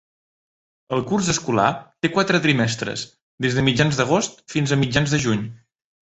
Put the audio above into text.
El curs escolar té quatre trimestres, des de mitjans d'agost fins a mitjans de juny.